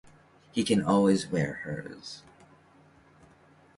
He can always wear hers.